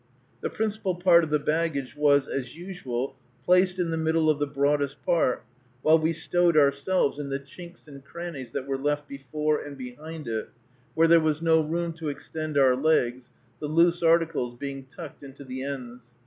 The principal part of the baggage was, as usual, placed in the middle of the broadest part, while we stowed ourselves in the chinks and crannies that were left before and behind it, where there was no room to extend our legs, the loose articles being tucked into the ends.